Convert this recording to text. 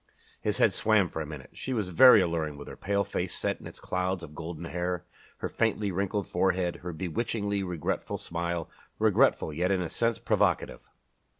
His head swam for a moment. She was very alluring with her pale face set in its clouds of golden hair, her faintly wrinkled forehead, her bewitchingly regretful smile regretful, yet in a sense provocative.